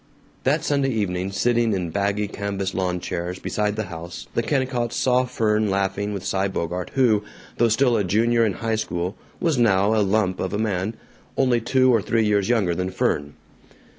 That Sunday evening, sitting in baggy canvas lawn chairs beside the house, the Kennicotts saw Fern laughing with Cy Bogart who, though still a junior in high school, was now a lump of a man, only two or three years younger than Fern.